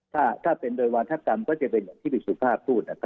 ถ้าเป็นโดยวาธกรรมก็จะเป็นอย่างที่พี่สุภาพพูด